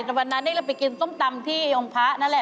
แต่วันนั้นเราไปกินส้มตำที่องค์พระนั่นแหละ